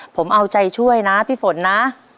ผมเอาใจช่วยนะพี่ฝนนะ